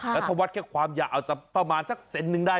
แล้วถ้าวัดแค่ความยาวประมาณสักเซ็นต์หนึ่งได้